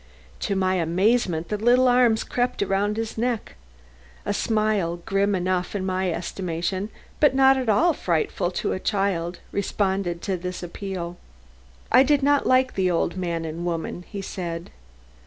To my amazement the little arms crept round his neck. A smile grim enough, in my estimation, but not at all frightful to the child, responded to this appeal. "I did not like the old man and woman," he said.